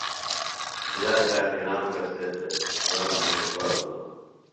یا الہی رام کسے تھےۡ رام مہ اُبا بِھلوۡ۔